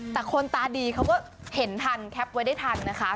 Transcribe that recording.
แต่คนตาดีเขาก็เห็นทันแคปไว้ได้ทันนะคะ